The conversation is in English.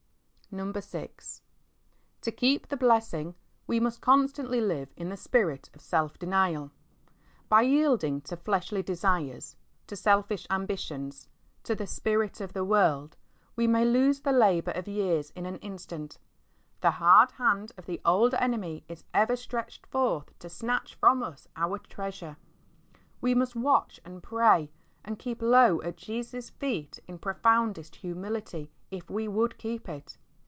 VI. To keep the blessings we must constantly live in the spirit of self denial. By yielding to fleshly desires, to selfish ambitions, to the spirit of the world, we may lose the labour of years in an instant. The hard hand of the old eneiiiy is ever stretched forth to snatch from us our treasure. We must watch and pray, and keep low at Jesus' feet in profoundest humility, if we would keep it.